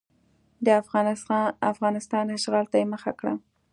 د افغانستان اشغال ته یې مخه کړه.